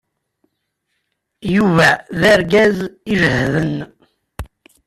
Yuba d argaz iǧehden.